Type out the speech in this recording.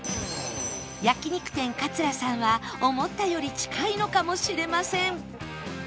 焼肉店カツラさんは思ったより近いのかもしれません